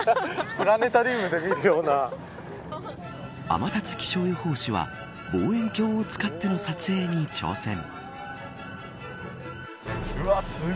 天達気象予報士は望遠鏡を使っての撮影に挑戦。